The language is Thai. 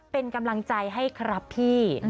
เป็นกำลังใจให้ครับพี่